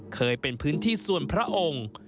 เคยเป็นพื้นที่ส่วนพระองค์